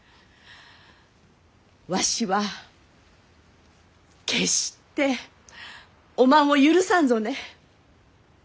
わしは決しておまんを許さんぞね。